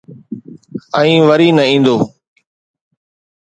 ۽ وري نه ايندو.